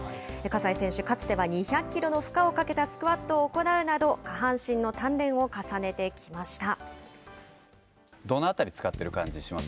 葛西選手、かつては２００キロの負荷をかけたスクワットを行うなど、下半身の鍛錬を重ねてきました。